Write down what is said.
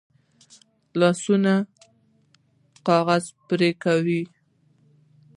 لاسونه کاغذ پرې کوي